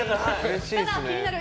ただ気になる